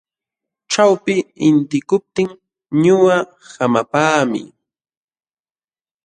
Ćhawpi intiykuptin ñuqa hamapaami.